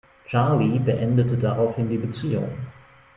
Charlie beendet daraufhin die Beziehung.